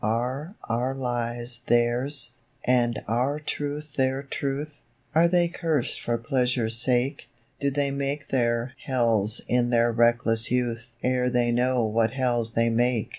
Are our lies theirs, and our truth their truth, Are they cursed for pleasure's sake, Do they make their hells in their reckless youth Ere they know what hells they make?